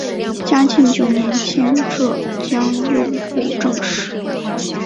嘉靖九年迁浙江右布政使。